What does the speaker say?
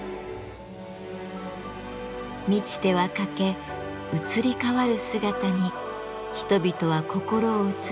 満ちては欠け移り変わる姿に人々は心を映し